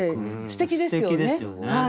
すてきですよね。